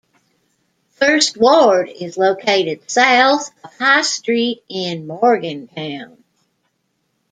First Ward is located south of High Street in Morgantown.